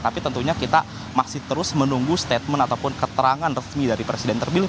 tapi tentunya kita masih terus menunggu statement ataupun keterangan resmi dari presiden terpilih